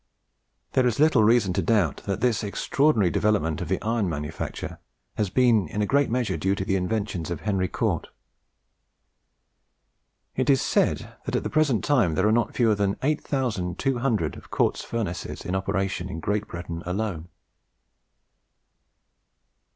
There is little reason to doubt that this extraordinary development of the iron manufacture has been in a great measure due to the inventions of Henry Cort. It is said that at the present time there are not fewer than 8200 of Cort's furnaces in operation in Great Britain alone.